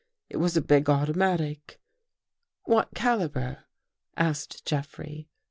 It was a big automatic." " What caliber? " asked Jeffrey.